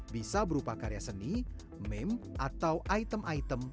bisa berupa karya seni meme atau item item